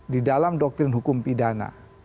di dalam doktrin hukum pidana